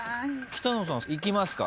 北野さん行きますか？